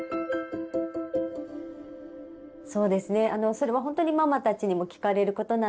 それはほんとにママたちにも聞かれることなんですね。